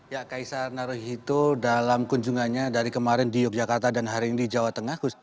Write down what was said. ya kaisar naruhi itu dalam kunjungannya dari kemarin di yogyakarta dan hari ini di jawa tengah